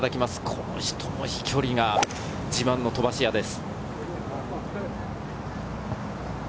この人も飛距離が自慢の飛ばし屋です。